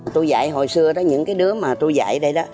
tôi dạy hồi xưa những đứa tôi dạy